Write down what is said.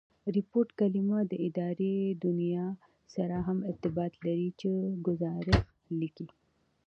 ریپوټ کلیمه د اداري دونیا سره هم ارتباط لري، چي ګوزارښ لیکي.